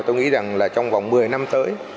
tôi nghĩ rằng là trong vòng một mươi năm tới